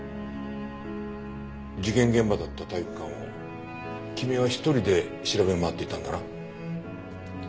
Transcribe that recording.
事件現場だった体育館を君は一人で調べ回っていたんだな。